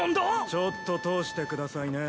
・ちょっと通してくださいね。